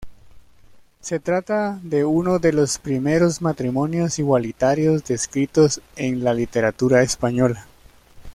Se trata de uno de los primeros matrimonios igualitarios descritos en la literatura española.